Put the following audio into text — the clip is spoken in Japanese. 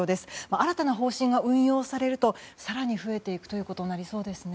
新たな方針が運用されると更に増えていくということになりそうですね。